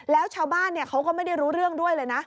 แล้วชาวบ้านเขาก็ไม่ได้รู้เรื่องด้วยเลยนะ